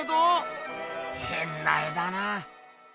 へんな絵だなあ。